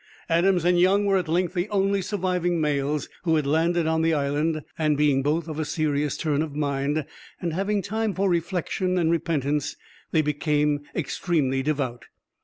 Adams and Young were at length the only surviving males who had landed on the island, and being both of a serious turn of mind, and having time for reflection and repentance, they became extremely devout.